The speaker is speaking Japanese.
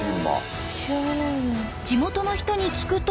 地元の人に聞くと。